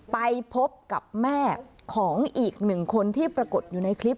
ไปพบกับแม่ของอีกหนึ่งคนที่ปรากฏอยู่ในคลิป